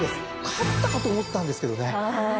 勝ったかと思ったんですけどね。